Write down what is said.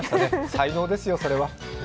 才能ですよ、それは。